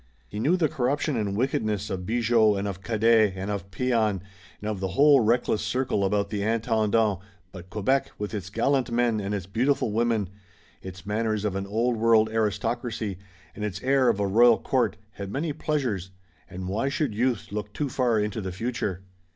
He knew the corruption and wickedness of Bigot and of Cadet and of Pean and of the whole reckless circle about the Intendant, but Quebec, with its gallant men and its beautiful women; its manners of an Old World aristocracy and its air of a royal court, had many pleasures, and why should youth look too far into the future?